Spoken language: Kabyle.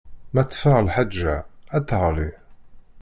Ma ṭṭfeɣ lḥaǧa, ad teɣli.